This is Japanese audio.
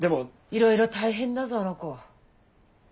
いろいろ大変だぞあの子。